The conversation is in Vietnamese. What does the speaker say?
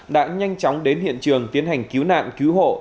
đã nhanh chóng đến hiện trường tiến hành cứu nạn cứu hộ